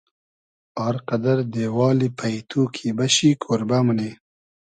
ار قئدئر دېوالی پݷتو کی بئشی کۉربۂ مونی